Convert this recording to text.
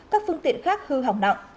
các phương tiện khác hư hỏng nặng